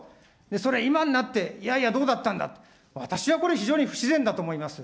それ、今になって、いやいやどうだったんだ、私はこれ、非常に不自然だと思います。